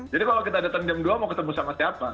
jadi kalau kita datang jam dua mau ketemu sama siapa